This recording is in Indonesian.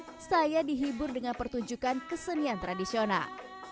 dan setelah makan saya dihibur dengan pertunjukan kesenian tradisional